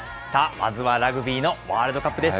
まずはラグビーのワールドカップです。